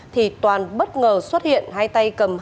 thì toàn bất ngờ xuất hiện hai tay cầm bê tông